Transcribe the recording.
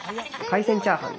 海鮮チャーハン。